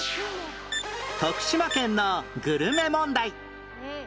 徳島県のグルメ問題